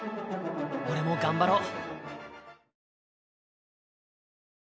俺も頑張ろう。